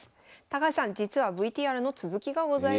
高橋さん実はＶＴＲの続きがございます。